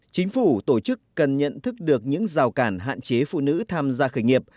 chính phủ tổ chức cần nhận thức được những rào cản hạn chế phụ nữ tham gia khởi nghiệp